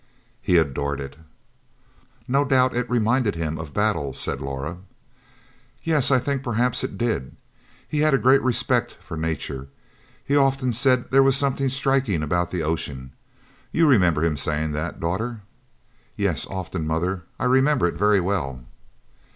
"He adored it." "No doubt it reminded him of battle," said Laura. "Yes, I think perhaps it did. He had a great respect for Nature. He often said there was something striking about the ocean. You remember his saying that, daughter?" "Yes, often, Mother. I remember it very well."